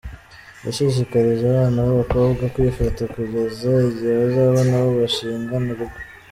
Yashishikarije abana b’abakobwa kwifata kugeza igihe bazabona abo bashingana urugo.